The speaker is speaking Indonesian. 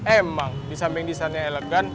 emang disamping desainnya elegan